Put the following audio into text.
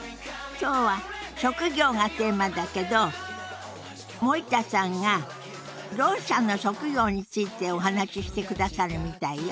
今日は「職業」がテーマだけど森田さんがろう者の職業についてお話ししてくださるみたいよ。